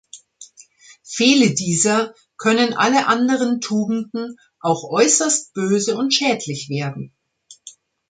Fehle dieser, können alle anderen Tugenden „auch äußerst böse und schädlich werden“.